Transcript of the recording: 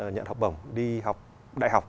nhận học bổng đi học đại học